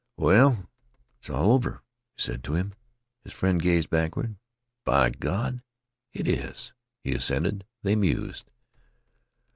"Well, it's all over," he said to him. His friend gazed backward. "B'Gawd, it is," he assented. They mused.